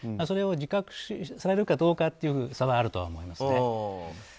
それを自覚されるかどうかという差はあると思います。